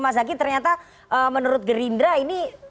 mas zaky ternyata menurut gerindra ini